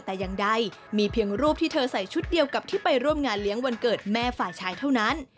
แต่อย่างใดมีเพียงรูปที่เธอใส่ชุดเดียวกับที่ไปร่วมงานเลี้ยงวันเกิดแม่ฝ่ายชายเท่านั้น